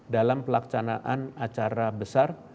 dalam pelaksanaan acara besar